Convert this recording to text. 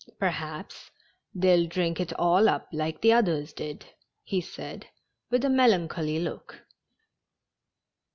" Perhaps they'll drink it all up like the others did," he said, with a melancholy look.